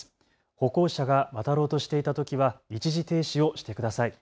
歩行者が渡ろうとしていたときは一時停止をしてください。